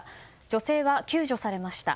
女性は救助されました。